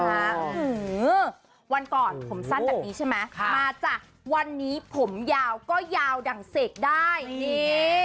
วันก่อนผมสั้นแบบนี้ใช่ไหมมาจ้ะวันนี้ผมยาวก็ยาวดั่งเสกได้นี่